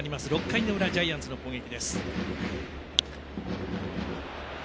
６回の裏、ジャイアンツの攻撃。